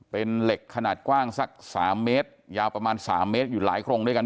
เป็นเหล็กขนาดกว้างสัก๓เมตรยาวประมาณ๓เมตรอยู่หลายโครงด้วยกัน